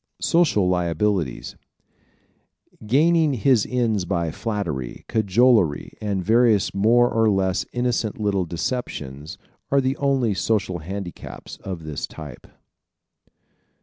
Social Liabilities ¶ Gaining his ends by flattery, cajolery, and various more or less innocent little deceptions are the only social handicaps of this type.